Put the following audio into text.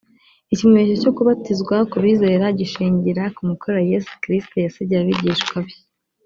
Ikimenyetso cyo kubatizwa ku bizera gishingira ku mukoro Yesu Kirisitu yasigiye abigishwa be